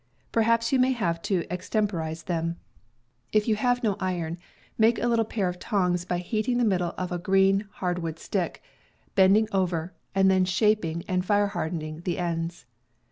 Perhaps you may have to extemporize them — if you have no iron, make a little pair of tongs by heating the middle of a green hardwood stick, bending over, and then shaping and fire hardening the ends.